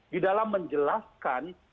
di dalam menjelaskan